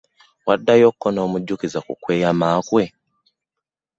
Waddayoko noomujukiza ku kweyaama kwe.